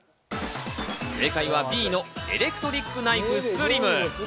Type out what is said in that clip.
正解はＢのエレクトリックナイフＳｌｉｍ。